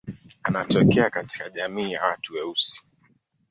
Anatokea katika jamii ya watu weusi.